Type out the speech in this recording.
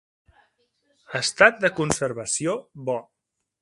Estat de conservació: bo.